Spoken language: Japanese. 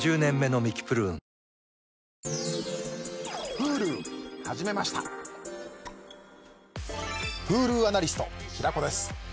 Ｈｕｌｕアナリスト平子です。